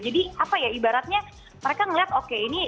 jadi apa ya ibaratnya mereka melihat oke ini